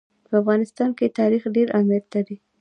په افغانستان کې تاریخ ډېر اهمیت لري.